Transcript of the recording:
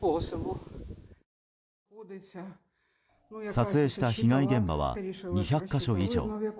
撮影した被害現場は２００か所以上。